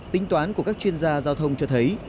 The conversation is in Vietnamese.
tính toán của các chuyên gia giao thông cho thấy